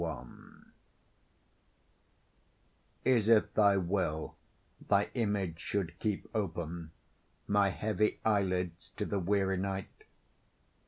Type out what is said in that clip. LXI Is it thy will, thy image should keep open My heavy eyelids to the weary night?